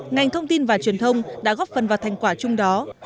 ngành thông tin và truyền thông đã góp phần vào thành quả chung đó